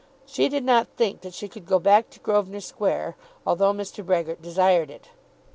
She did not think that she could go back to Grosvenor Square, although Mr. Brehgert desired it.